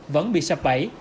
vẫn bị sập bẫy